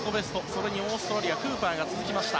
それにオーストラリアクーパーが続きました。